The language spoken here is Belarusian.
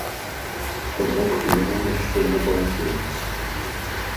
То бок яна яшчэ не балатуецца.